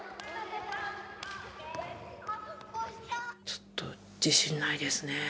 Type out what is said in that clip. ちょっと自信ないですねえ。